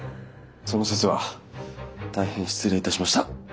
その節は大変失礼いたしました。